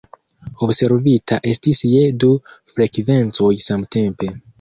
Observita estis je du frekvencoj samtempe.